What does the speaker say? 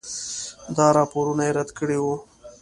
دا راپورونه یې رد کړي وو.